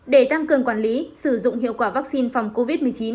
để tăng cường quản lý sử dụng hiệu quả vaccine phòng covid một mươi chín